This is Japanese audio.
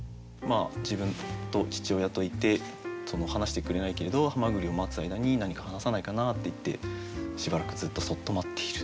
自分と父親といて話してくれないけれどハマグリを待つ間に何か話さないかなっていってしばらくずっとそっと待っている。